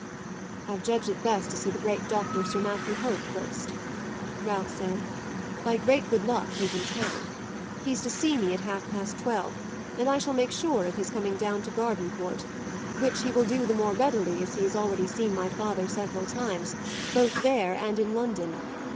"I've judged it best to see the great doctor, Sir Matthew Hope, first," Ralph said; "by great good luck he's in town. He's to see me at half past twelve, and I shall make sure of his coming down to Gardencourt which he will do the more readily as he has already seen my father several times, both there and in London.